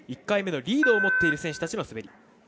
１回目のリードを持っている選手たちの滑り。